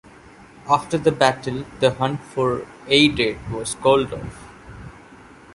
After the battle, the hunt for Aidid was called off.